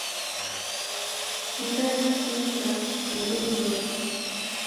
Nendamsigha wodenilola